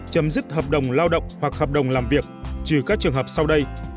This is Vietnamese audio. chấm dứt hợp đồng lao động hoặc hợp đồng làm việc trừ các trường hợp sau đây